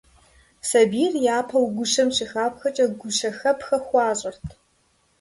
Сабийр япэу гущэм щыхапхэкӀэ гущэхэпхэ хуащӀырт.